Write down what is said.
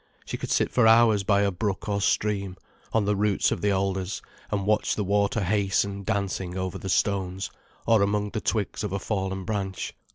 She could sit for hours by a brook or stream, on the roots of the alders, and watch the water hasten dancing over the stones, or among the twigs of a fallen branch.